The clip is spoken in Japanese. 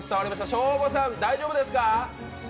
ショーゴさん、大丈夫ですか？